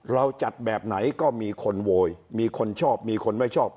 เราจัดแบบไหนก็มีคนโวยมีคนชอบมีคนไม่ชอบ